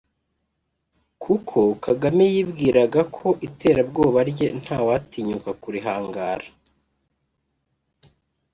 kuko Kagame yibwiraga ko iterabwoba rye ntawatinyuka kurihangara